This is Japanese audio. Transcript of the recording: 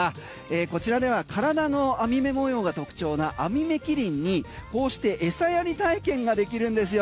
こちらでは体の網目模様が特徴のアミメキリンにこうして餌やり体験ができるんですよ。